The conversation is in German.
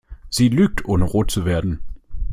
Sie lügt, ohne rot zu werden.